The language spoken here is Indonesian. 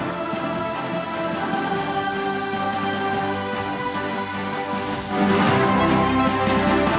pemerintah provinsi jawa tengah